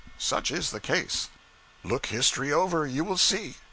Such is the case. Look history over; you will see.